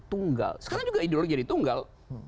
tunggal sekarang juga ideologi jadi tunggal